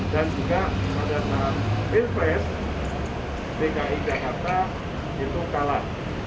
dan juga pada saat pilpres dki jakarta itu kalah